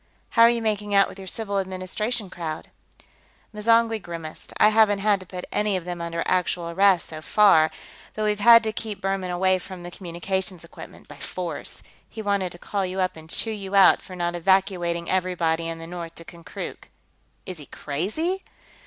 "How are you making out with your Civil Administration crowd?" M'zangwe grimaced. "I haven't had to put any of them under actual arrest, so far, but we've had to keep Buhrmann away from the communications equipment by force. He wanted to call you up and chew you out for not evacuating everybody in the north to Konkrook." "Is he crazy?"